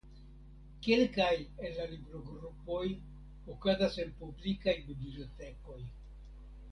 Kelkaj el la librogrupoj okazas en publikaj bibliotekoj.